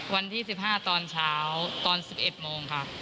วันที่๑๕ตอนเช้าตอน๑๑โมงค่ะ